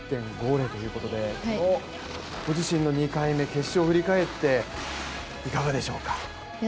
９１．５０ということで、ご自身の２回目、決勝を振り返っていかがでしょうか？